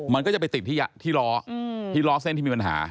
มันก็จะไปติดที่ล้อที่ล้อเส้นที่มีปัญหา